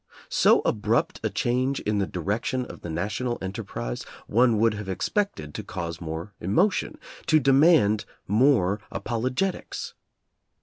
So abrupt a change in the direction of the national enterprise, one would have expected to cause more emotion, to demand more apologet ics.